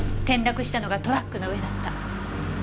転落したのがトラックの上だった。